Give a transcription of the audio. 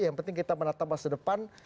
yang penting kita menata masa depan